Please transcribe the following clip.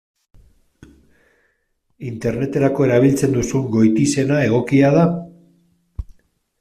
Interneterako erabiltzen duzun goitizena egokia da?